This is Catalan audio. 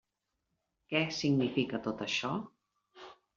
Què significa tot això?